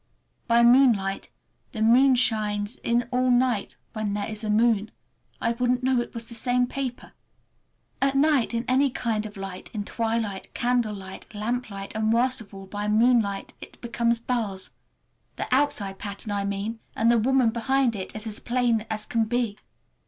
By moonlight—the moon shines in all night when there is a moon—I wouldn't know it was the same paper. At night in any kind of light, in twilight, candlelight, lamplight, and worst of all by moonlight, it becomes bars! The outside pattern I mean, and the woman behind it is as plain as can be.